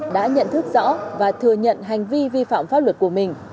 đã nhận thức rõ và thừa nhận hành vi vi phạm pháp luật của mình